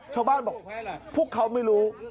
ชาวบ้านบอกพวกเขาไม่รู้